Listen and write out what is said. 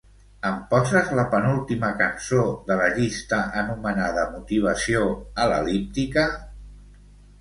Em poses la penúltima cançó de la llista anomenada "motivació" a l'el·líptica?